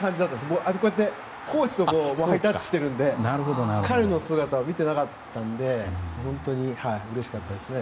もう、コーチとハイタッチしているので彼の姿は見ていなかったので本当に、うれしかったですね。